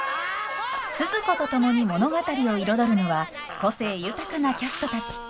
スズ子と共に物語を彩るのは個性豊かなキャストたち。